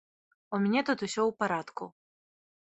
У мяне тут усё ў парадку.